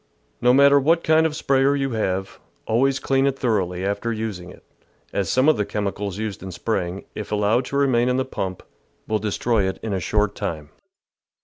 No matter what kind of a sprayer you have, always clean it thoroughly after using it, as some of the chemicals used in spraying, if allowed to remain in the pump, will destroy it in a short time.